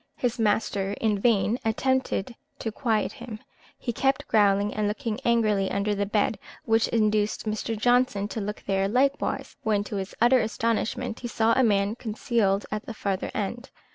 His master in vain attempted to quiet him, he kept growling and looking angrily under the bed, which induced Mr. Johnson to look there likewise, when, to his utter astonishment, he saw a man concealed at the farther end.